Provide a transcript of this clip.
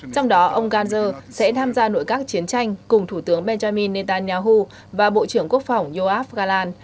trong đó ông gantz sẽ tham gia nội các chiến tranh cùng thủ tướng benjamin netanyahu và bộ trưởng quốc phòng yoav galan